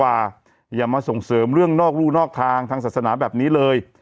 อย่ามาส่งเสริมเรื่องนอกรู่นอกทางทางศาสนาแบบนี้เลย